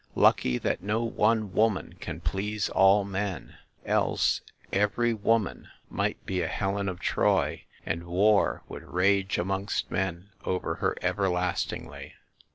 Lucky that no one woman can please all men ! Else, every woman might be a Helen of Troy and war would rage amongst men over her everlast ingly.